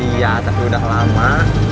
iya tapi udah lama